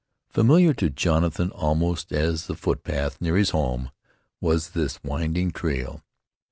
Familiar to Jonathan, almost as the footpath near his home, was this winding trail.